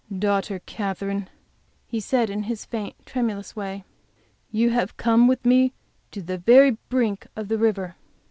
"Daughter Katherine," he said, in his faint, tremulous way, "you have come with me to the very brink of the river.